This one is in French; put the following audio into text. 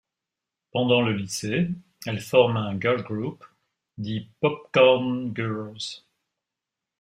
Pendant le lycée, elle forme un girl group, Die Popcorn Girls.